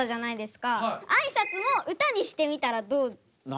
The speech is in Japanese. あいさつも歌にしてみたらどうですか？